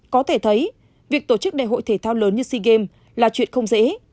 có thể thấy việc tổ chức đại hội thể thao lớn như sea games là chuyện không dễ